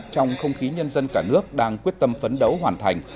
trong không khí nhân dân cả nước đang quyết tâm phấn đấu hoàn thành